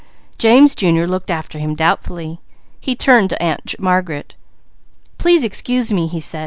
James Jr. looked after him doubtfully. He turned to Aunt Margaret. "Please excuse me," he said.